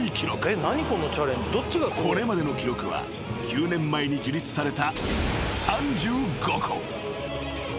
［これまでの記録は９年前に樹立された３５個］